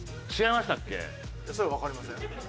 それはわかりません。